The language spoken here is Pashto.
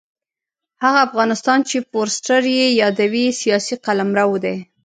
هغه افغانستان چې فورسټر یې یادوي سیاسي قلمرو دی.